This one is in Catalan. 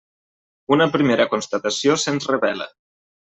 Una primera constatació se'ns revela.